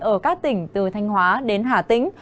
ở các tỉnh từ thanh hóa đến hà tĩnh